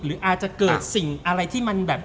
หรืออาจจะเกิดสิ่งอะไรที่มันแบบ